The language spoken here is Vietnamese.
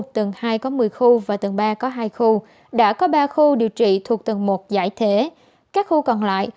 tầng hai có một mươi khu và tầng ba có hai khu đã có ba khu điều trị thuộc tầng một giải thể các khu còn lại